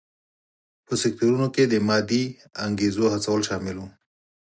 په سکتورونو کې د مادي انګېزو هڅول شامل و.